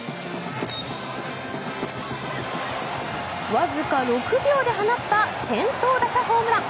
わずか６秒で放った先頭打者ホームラン。